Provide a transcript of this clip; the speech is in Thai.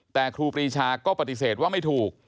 แต่ครูปรีชาก็ปฏิเสธว่าไม่ถูก